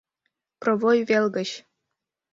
— Провой вел гыч.